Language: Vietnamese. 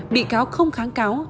bị cáo không kháng cáo